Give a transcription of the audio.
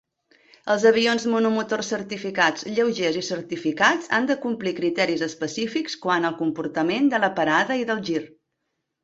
Els avions monomotors certificats, lleugers i certificats han de complir criteris específics quant al comportament de la parada i del gir.